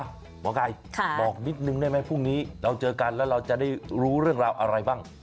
หมอไก่บอกนิดนึงได้ไหมพรุ่งนี้เราเจอกันแล้วเราจะได้รู้เรื่องราวอะไรบ้าง